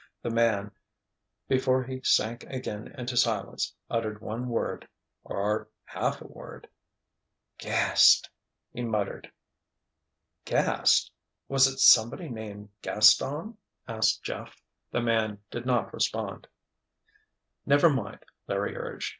The man, before he sank again into silence, uttered one word—or half a word: "Gast—" he muttered. "Gast—was it somebody named Gaston?" asked Jeff. The man did not respond. "Never mind," Larry urged.